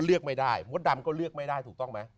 เลือกไม่ได้มดดำก็เลือกไม่ได้ถูกต้องไหม